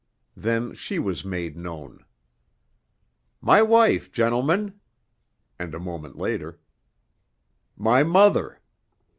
Then she was made known. "My wife, gentlemen!" And a moment later: "My mother!"